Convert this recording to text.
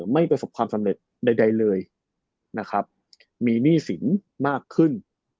ไม่ประสบความสำเร็จใดเลยนะครับมีหนี้สินมากขึ้น